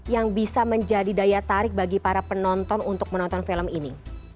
yang bisa menjadi daya tarik bagi para penonton untuk menonton film ini